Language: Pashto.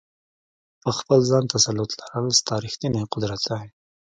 په خپل ځان تسلط لرل ستا ریښتینی قدرت دی.